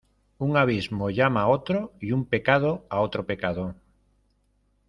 Un abismo llama a otro y un pecado a otro pecado.